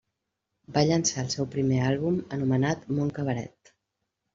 Va llançar el seu primer àlbum anomenat Mon cabaret.